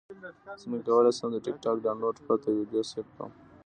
څنګه کولی شم د ټکټاک ډاونلوډ پرته ویډیو سیف کړم